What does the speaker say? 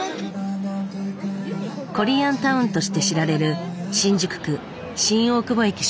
コリアンタウンとして知られる新宿区新大久保駅周辺。